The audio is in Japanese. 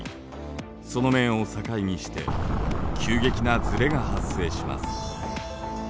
その面を境にして急激なずれが発生します。